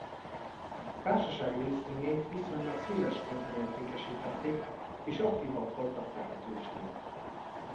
A Társaság részvényeit viszonylag széles körben értékesítették és aktívan forgatták a tőzsdén.